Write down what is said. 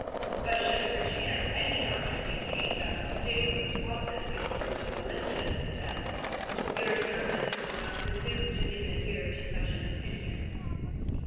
But should perchance (any doctor maintain) that this state of the pulses imports a felicitous event, your servant will not presume to give an ear to such an opinion!"